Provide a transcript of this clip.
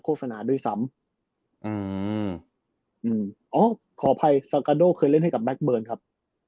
ขออภัยซากาโดเคยเล่นให้กับแม็กเบิร์นครับ